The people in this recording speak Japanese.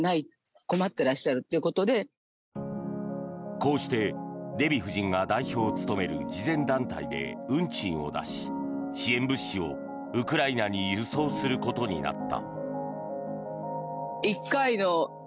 こうしてデヴィ夫人が代表を務める慈善団体で運賃を出し支援物資をウクライナに輸送することになった。